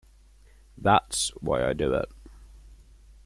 That's why I do it.